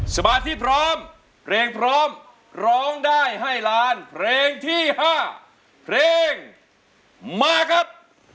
สมาธิพร้อมเพลงพร้อมร้องได้ให้ล้านเพลงที่๕เพลงมาครับ